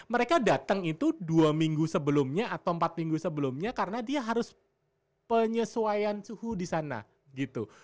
mereka datang itu dua minggu sebelumnya atau empat minggu sebelumnya karena dia harus penyesuaian suhu di sana gitu